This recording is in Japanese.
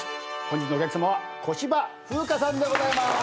本日のお客さまは小芝風花さんでございます。